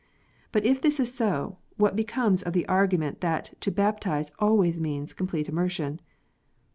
But if this is so, what becomes of the argu ment that to baptize always means complete " immersion